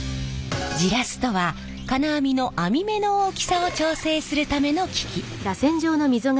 ジラスとは金網の編み目の大きさを調整するための機器。